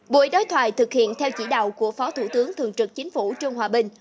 buổi đối thoại thực hiện theo chỉ đạo của phó thủ tướng thường trực chính phủ trương hòa bình